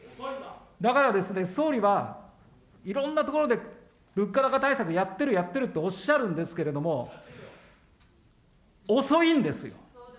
だからですね、総理はいろんなところで物価高対策、やってる、やってるとおっしゃるんですけれども、遅いんですよ。